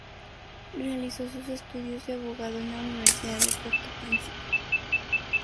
Realizó sus estudios de abogado en la Universidad de Puerto Príncipe.